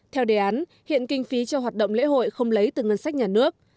theo đề án hiện kinh phí cho hoạt động lễ hội không lấy từ ngân sách nhà nước